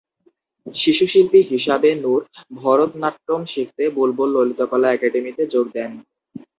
শিশুশিল্পী হিসাবে নূর ভরতনাট্যম শিখতে বুলবুল ললিতকলা একাডেমীতে যোগ দেন।